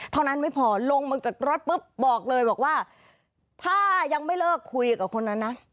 เท่านั้นไม่พอลงมาจากรถปุ๊บบอกเลยบอกว่าถ้ายังไม่เลิกคุยกับคนนั้นนะ